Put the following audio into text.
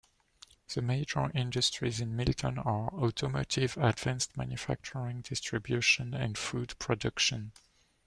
The major industries in Milton are automotive, advanced manufacturing, distribution and food production.